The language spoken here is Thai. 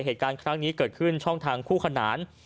เหตุการณ์ครั้งนี้เกิดขึ้นช่องทางคู่ขนาน